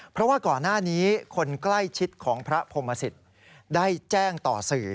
เพราะว่าก่อนหน้านี้คนใกล้ชิดของพระพรมศิษย์ได้แจ้งต่อสื่อ